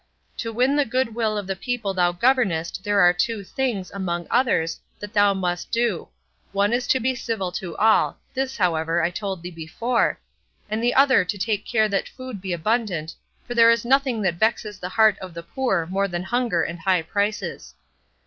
To win the good will of the people thou governest there are two things, among others, that thou must do; one is to be civil to all (this, however, I told thee before), and the other to take care that food be abundant, for there is nothing that vexes the heart of the poor more than hunger and high prices.